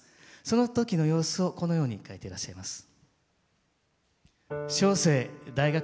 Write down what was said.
その時の様子をこのように書いていらっしゃいます。